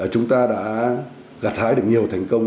chúng ta đã gạt thái được nhiều thành công